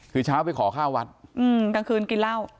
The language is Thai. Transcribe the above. คือเช้าไปขอข้าววัดกลางคืนกินเหล้า